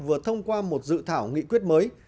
vừa thông qua một dự thảo nghị quyết mới